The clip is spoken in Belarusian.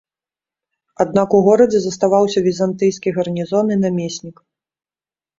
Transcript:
Аднак у горадзе заставаўся візантыйскі гарнізон і намеснік.